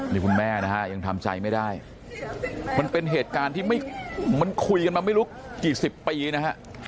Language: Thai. นี่คุณแม่นะฮะยังทำใจไม่ได้มันเป็นเหตุการณ์ที่มันคุยกันมาไม่รู้กี่สิบปีนะฮะ